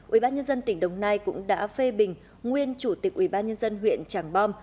ủy ban nhân dân tỉnh đồng nai cũng đã phê bình nguyên chủ tịch ủy ban nhân dân huyện tràng bom